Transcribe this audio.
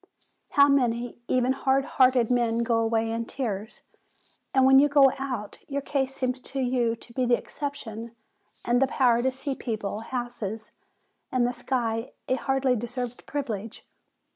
"How many, even hard hearted men, go away in tears! And when you go out, your case seems to you to be the exception, and the power to see people, houses, and the sky a hardly deserved privilege